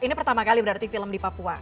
ini pertama kali berarti film di papua